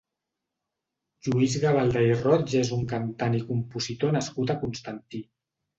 Lluís Gavaldà i Roig és un cantant i compositor nascut a Constantí.